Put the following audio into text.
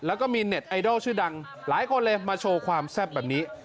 แล้วก็มีเน็ตไอดอลชื่อดังหลายคนเลยมาโชว์ความแซ่บแบบนี้